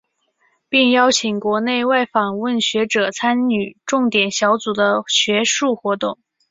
并邀请国内外访问学者参与重点小组的学术活动。